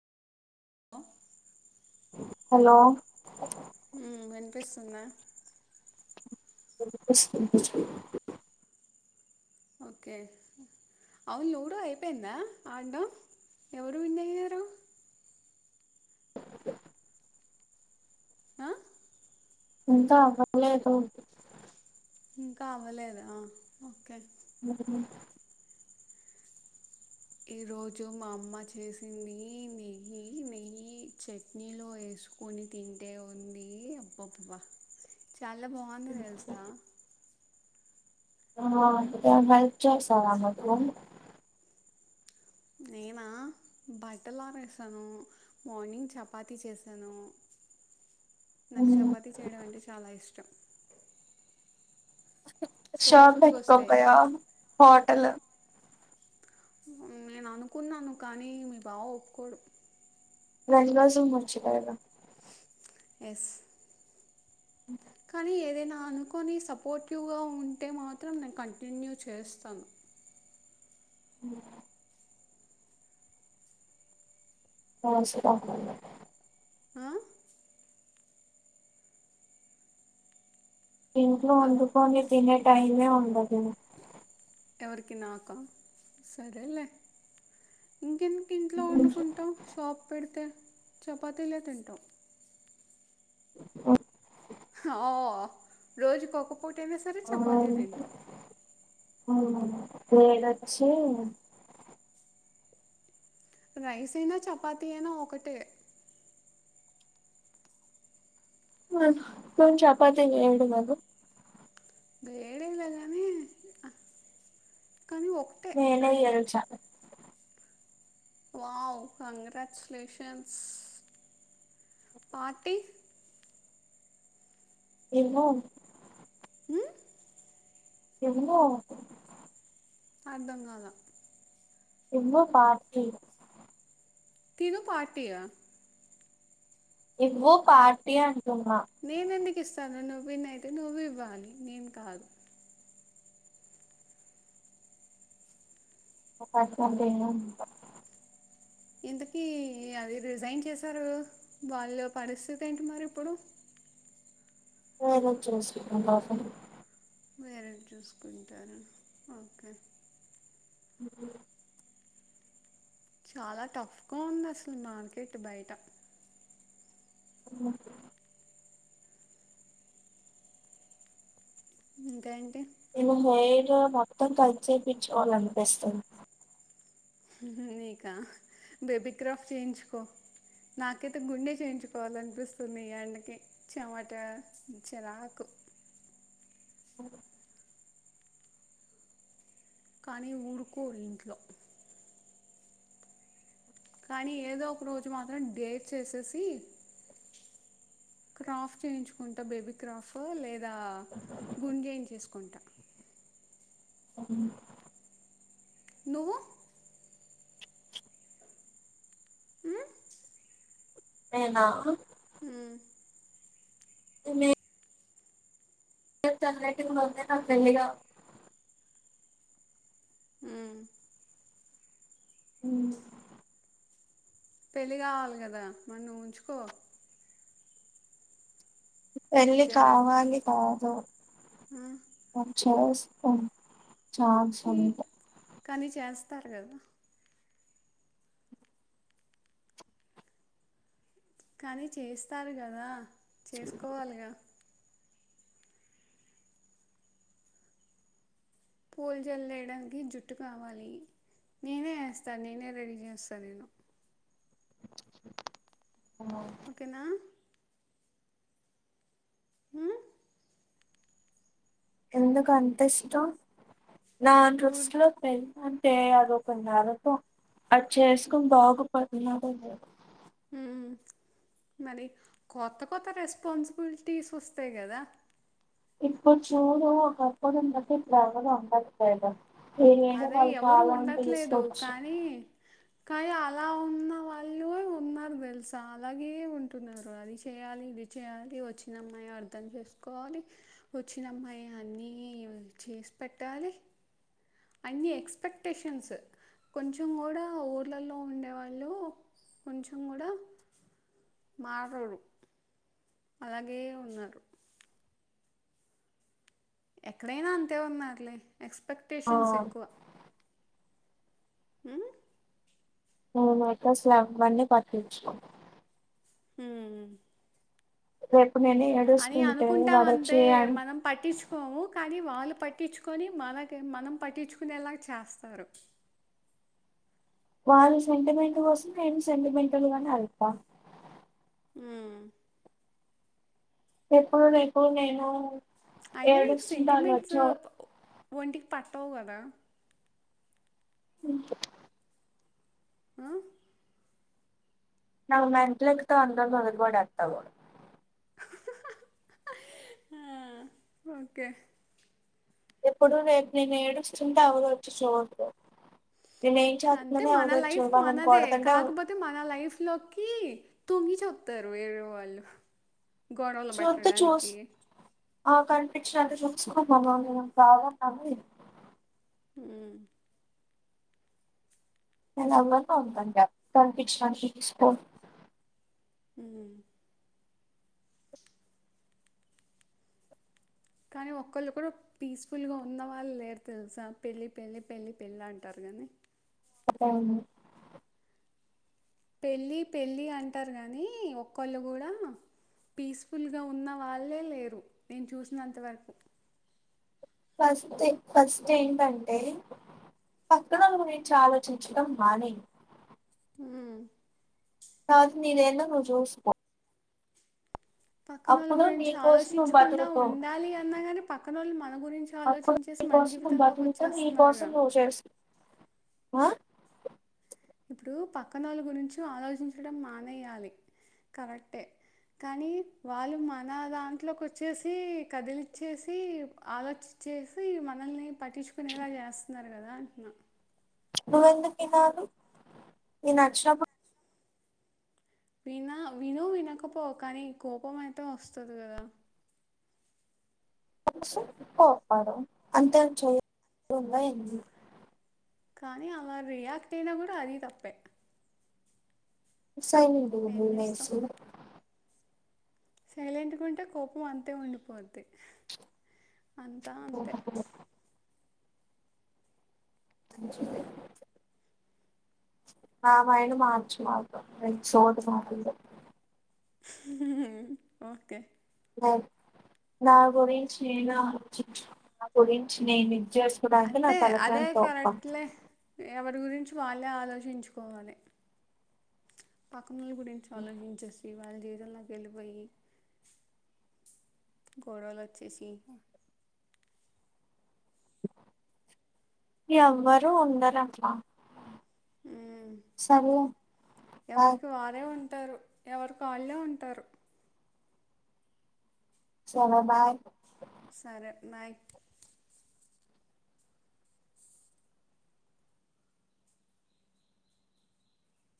అ hello హ్ వినిపిస్తుందా. [inaudible] Okay అవును లూడో అయిపోయిందా ఆడ్డం ఎవరు విన్ అయ్యారు. ఆ ఇంకా అవ్వలేదు. ఇంకా అవ్వలేదా ఓకే. హ్ ఈ రోజు మా అమ్మ చేసింది నెయ్యి, నెయ్యి చట్నీలో ఎ సుకొని తింటే ఉంది అబ్బబ్బా చాలా బావుంది తెలుసా. కొద్దిగా హెల్ప్ చేస్తవా నాకు. నేనా బట్టలారేసాను, మార్నింగ్ చపాతి చేసాను. నాకు చపాతి చేయడం అంటే చాలా ఇష్టం. షాప్ సాఫ్ట్గా వస్తాయి పెట్టుకోకపోయావా హోటలు. నేను అనుకున్నాను కానీ మీ బావ ఒప్పుకోడు. రెండు రోజులు ముచ్చటేగా. ఎస్ కానీ ఏదైనా అనుకొని సపోర్టివ్గా ఉంటే మాత్రం నేను కంటిన్యూ చేస్తాను. అ ఆమసుత ఆ ఇంట్లో ఆ, వండుకొని తినే టైమే ఉండదు ఎవరికి నాక సరేలేే ఇంకేంటి ఇంట్లో వండుకుంటాం షాప్ పెడితే చపాతీలే తింటాం అ ఆ రోజుకోక్క పూట అయినా సరే చపాతీ తింటాం నేనచ్చి రైస్ అయినా చపాతి అయినా ఒకటే అ కని చపాతిని నేడు కదు వేడేలే గానీ ఒకటే నేనే రెండు గెలిచా వావ్ కంగ్రాచులేషన్స్ పార్టీ ఏమో ఉమ్? ఎమ్మో అర్ధం కాదా ఏమో పార్టీ తిను పార్టీయా ఎవో పార్టీయన్ నేను ఎందుకు ఇస్తాను నువ్వు విన్ అయితే నువ్వు ఇవ్వాలి నేను కాదు నా పర్సెంటేజ్ అంత ఎంతకీ అది రిజైన్ చేసారు వాళ్ళు పరిస్థితి ఏంటి మరి ఇప్పుడు ఎవరో చూసి రాసేను వేరేవి చూసుకుంటారు ఓకే ఉఊ చాలా టఫ్గా ఉంది అసలు మార్కెట్ బయట ఓహో ఇంకా ఏంటి నేను హెయిర్ మొత్తం కట్ చేయించుకోవాలనిపిస్తుంది నీకా బేబి క్రాఫ్ చేయించుకో నాకైతే గుండె చేయించుకోవాల అనిపిస్తుంది ఈ అండకి చమాటా చరాకు కానీ ఊరుకోరు ఇంట్లో కానీ ఏదో ఒక రోజు మాత్రం డేర్ చేసేసి క్రాఫ్ చేయించుకుంటా బేబీ క్రాఫ్ లేదా గుంజేయ్ చేసుకుంటా అవును నువ్వు ఊ ఏనా ఊ తమీ ఏ తను లేట్ గనే వస్తది నాకు తెలీదా ఊ ఉ పెళ్ళి కావాలి కదా మన్ను ఉంచుకో పెళ్ళి జడ కావాలి కాదు ఆ, [unintelligible] చేస్త ఛీ. [unintelligible] కానీ చేస్తరు కదా కానీ చేస్తారు గద చేసుకోవాలి గ పూల్ జల్లేయడానికి జుట్టు కావాలి నేనే ఎస్త నేనే రెడీ చేస్త నేను ఓకేన ఉమ్? ఎందుకు అంత ఇష్టం నా ఊరి దృష్టి లో పెళ్లి టే అదోక నరకం అది చేసుకుని బాగుపడినోడే లేదు హు మరి కొత్త కొత్త రెస్పాన్సిబిలిటీస్ వస్తయ్ గదా ఇప్పుడు చూడు ఒక్కడుపుడు [unintelligible] ఏదైన అదే వాల్ ఎవరు తాలం [unintelligible] కని అలా ఉన్న వాళ్ళు ఉన్న తెలుసా అలాగే ఉంటున్నారు అది చేయాలి ఇది చేయాలి వచ్చిన అమ్మాయి అర్థం చేసుకోవాలి వచ్చినమ్మాయి అన్ని చేసి పెట్టాలి అన్ని ఎక్స్పెక్టేషన్స్ కొంచెం గుడ ఊర్లల్లో ఉండేవాళ్ళు కొంచెం గుడ మారరు అలాగే ఉన్నారు ఎక్కడైన అంతే ఉన్నారులే ఎక్స్పెక్టేషన్స్ ఆ ఎక్కువ హు నువ్వు మాత్రం [unintelligible] పటిచుకో హు రే అని అనుకుంటామంతే అన్ మనం పట్టించుకోము కానీ వాళ్ళు పట్టించుకొని మనకై మనం పట్టించుకునేలగ చేస్తారు వాళ్ళ సెంటిమెంట్ కోసం నేను సెంటిమెంటల్ గానే ఏళ్తా హు ఎప్పుడు నేను నేను అయినా నీకు ఏడుస్తుంటే సెంటిమెంట్స్ ఆళ్ళొచ్చి ఒంటికి పట్టవ్ గదా హు ఆ నాకు మెంట్లేక్కుతే అంత గుంజుకొని [unintelligible] ఆ ఓకే ఎప్పుడు నేను నేను ఏడుస్తుంటే ఏవరు వచ్చి చూడ్రు అంటే మన లైఫ్ మనదే కొడతంటే కాకపోతే మన లైఫ్ లోకి తొంగి చెస్తరు వేరే వాళ్ళు గొడవలు చూత్తే చూస్ పెట్టడానికి ఆ కనిపించినంత చూసుకున్నామ్మా [unintelligible] హు నేను అందంగ ఉంటాను గా కనిపిచ్నా తీసుకో ఊ కానీ ఒక్కళ్ళు కూడ పీస్ఫుల్ గా ఉన్న వాళ్ళు లేరు తెలుసా పెళ్లి పెళ్ళి పెళ్లి పెళ్లి అంటారు దనే ఎలా ఉన్నావ్ పెళ్ళి పెళ్ళి అంటరు గనీ ఒక్కళ్ళు గూడా పీస్ఫుల్గా ఉన్న వాళ్ళే లేరు నేను చూసినంత వరకు ఫస్ట్ ఏ ఫస్ట్ ఏంటంటే పక్కనోళ్ల గురించి ఆలోచించటం మానేయ్ ఉమ్ ఫస్ట్ నీదెందో నువ్ జూసుకో పక్కనోళ్ళ నీ గురించి కోసం నువ్వు ఆలోచించకుండా బతుకుతావు. ఉండాలి అన్నా గానీ పక్కనోళ్ళు మన గురించి అప్పుడు ఆలోచించేస్ నీ కోసం నువ్ బతుకుతవ్ నీకోసం నువు జేస్ [inaudible] ఆ ఇప్పుడు పక్కనోళ్ళ గురించి ఆలోచించడం మానేయ్యాలి కరెక్టే కనీ వాళ్ళు మన దాంట్లోకోచ్చేసి కదిలిచ్చేసి ఆలోచ్ చేసి మనల్ని పట్టిచ్చుకునేలా జేస్తున్నారు గదా అంటున్నా నువ్వెందుకినాలి నీక్ నచ్చినప్పుడ్ వినా విను వినకపో కనీ కోపమయితే ఒస్తది గదా కోపమొస్తే కొప్పడు అంతేం చేయ ఉందా ఏంది కనీ అలా రియాక్ట్ అయినా గూడా అదీ తప్పే సైలెంటుగుండు ఏం [unintelligible] సైలెంట్ గుంటే కోపం అంతే ఉండిపోద్ది అంతా అంతే ీ ఆ మైండ్ మార్చు నాకు [unintelligible] ఓకె నా గురించి నేను చించు నా గురించి నేను చేసుకోడానికె నా అంతే తల ప్రాణం తొక్కొత్ రి గురించి వాళ్ళే ఆలోచించుకోవాలి నీ గురించి ఆలోచించేసి వాళ్ జీవిత్ తంల కెళ్ళి పోయి గొడవలొచ్చేసి ఎవ్వరూ ఉండరట్లా ఉమ్ సర్లే బాయ్ ఎవరికి వారే ఉన్ టరు ఎవరుకాళ్ళే ఉంటారు సరే బాయ్ సరే బాయ్